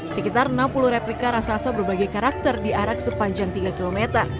sekitar enam puluh replika raksasa berbagai karakter diarak sepanjang tiga km